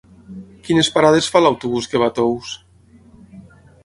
Quines parades fa l'autobús que va a Tous?